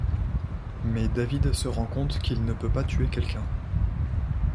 Mais David se rend compte qu’il ne peut pas tuer quelqu'un.